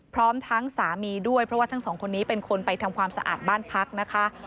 พร้อมทั้งสามีด้วยเพราะว่าทั้งสองคนนี้เป็นคนไปทำความสะอาดบ้านพักนะคะ